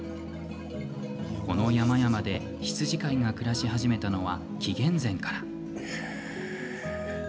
この山々で羊飼いが暮らし始めたのは紀元前から。